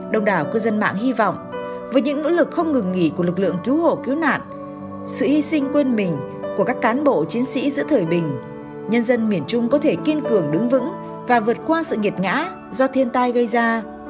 đồng đảo cư dân mạng hy vọng với những nỗ lực không ngừng nghỉ của lực lượng cứu hộ cứu nạn sự hy sinh quên mình của các cán bộ chiến sĩ giữa thời bình nhân dân miền trung có thể kiên cường đứng vững và vượt qua sự nghiệt ngã do thiên tai gây ra